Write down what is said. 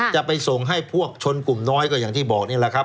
จะไปส่งให้พวกชนกลุ่มน้อยก็อย่างที่บอกนี่แหละครับ